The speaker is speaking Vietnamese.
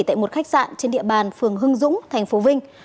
tại một khách sạn trên địa bàn phường hưng dũng tp vinh